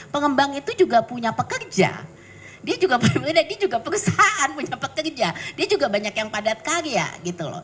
pengembang itu juga punya pekerja dia juga punya dia juga perusahaan punya pekerja dia juga banyak yang padat karya gitu loh